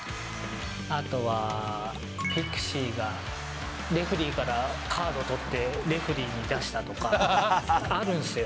あとは、ピクシーがレフェリーからカード取って、レフェリーに出したとか、あるんすよ。